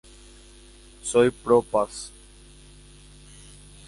Soy pro-paz.